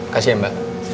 kasih ya mbak